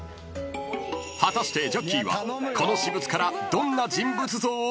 ［果たしてジャッキーはこの私物からどんな人物像を読み取るのか？］